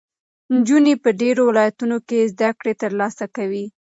نجونې په ډېرو ولایتونو کې زده کړې ترلاسه کوي.